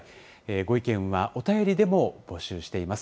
ご意見はお便りでも募集しています。